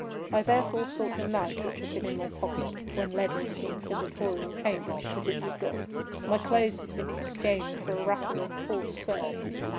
I therefore sought the knife which had been in my pocket, when led into the inquisitorial chamber; but it was gone; my clothes had been exchanged for a wrapper of coarse serge.